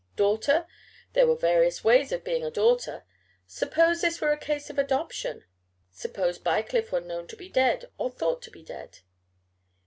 Daughter? There were various ways of being a daughter. Suppose this were a case of adoption; suppose Bycliffe were known to be dead, or thought to be dead.